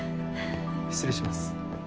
失礼します。